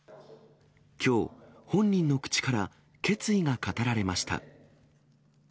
きょう、本人の口から決意が語られました。